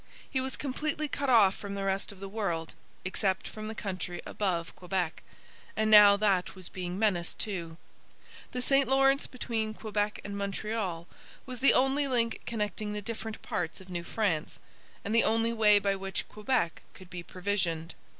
He was completely cut off from the rest of the world, except from the country above Quebec; and now that was being menaced too. The St Lawrence between Quebec and Montreal was the only link connecting the different parts of New France, and the only way by which Quebec could be provisioned.